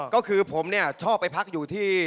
ก็คือผมเนี่ยชอบไปพักอยู่ที่